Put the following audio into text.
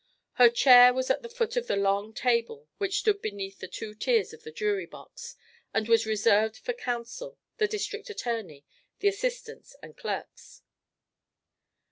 Her chair was at the foot of the long table which stood beneath the two tiers of the jury box and was reserved for counsel, the district attorney, the assistants and clerks.